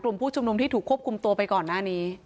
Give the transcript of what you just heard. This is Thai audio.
กรุมผู้จบกรมที่ถูกควบคุมตัวไปก่อนหน้านี้